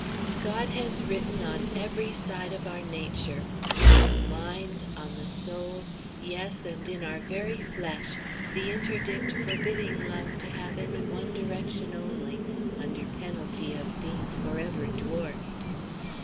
God has written on every side of our nature, on the mind, on the soul, yes, and in our very flesh, the interdict forbidding love to have any one direction only, under penalty of being forever dwarfed.